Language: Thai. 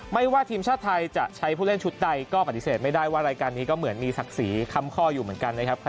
ไม่ว่าทีมชาติไทยจะใช้ผู้เล่นชุดใดก็ปฏิเสธไม่ได้ว่ารายการนี้ก็เหมือนมีศักดิ์ศรีคำข้ออยู่เหมือนกันนะครับ